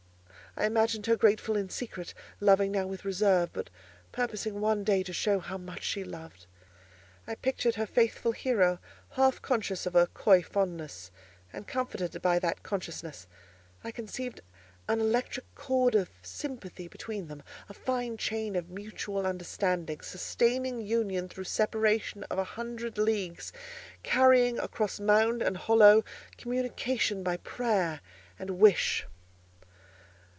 I imagined her grateful in secret, loving now with reserve; but purposing one day to show how much she loved: I pictured her faithful hero half conscious of her coy fondness, and comforted by that consciousness: I conceived an electric chord of sympathy between them, a fine chain of mutual understanding, sustaining union through a separation of a hundred leagues—carrying, across mound and hollow, communication by prayer and wish.